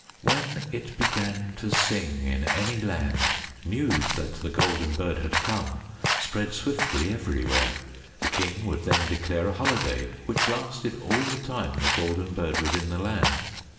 When it began to sing in any land, news that The Golden Bird had come spread swiftly everywhere. The king would then declare a holiday which lasted all the time The Golden Bird was in the land.